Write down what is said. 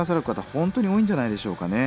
本当に多いんじゃないでしょうかね。